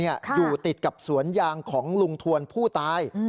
อยู่ติดกับสวนยางของลุงทวนผู้ตาย